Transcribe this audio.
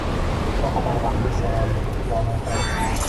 Naqadar baxtlisan-a, dugonajon